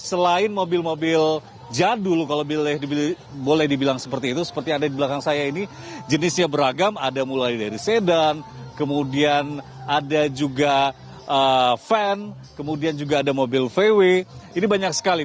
selain mobil mobil jadul kalau boleh dibilang seperti itu seperti yang ada di belakang saya ini jenisnya beragam ada mulai dari sedan kemudian ada juga van kemudian juga ada mobil vw ini banyak sekali